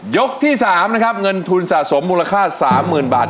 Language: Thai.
ยกที่๓นะครับเงินทุนสะสมมูลค่า๓๐๐๐บาท